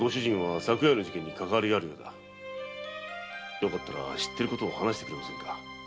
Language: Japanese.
よかったら知ってることを話してもらえませんか？